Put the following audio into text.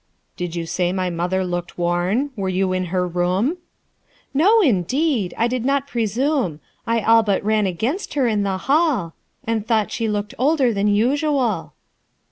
"Did you say my mother looked worn? Were you in her room?" "No, indeed I I did not presume; I all but ran against her in the hall, and thought she looked older than usual."